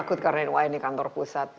takut karena ini kantor pusat